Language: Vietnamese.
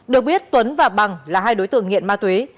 được biết tuấn và bằng là hai đối tượng nghiện ma túy